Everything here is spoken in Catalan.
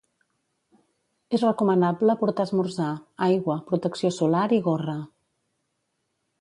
És recomanable portar esmorzar, aigua, protecció solar i gorra.